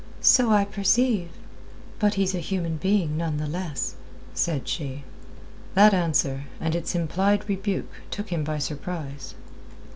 "So I perceive. But he's a human being none the less," said she. That answer, and its implied rebuke, took him by surprise.